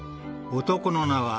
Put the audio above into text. ［男の名は］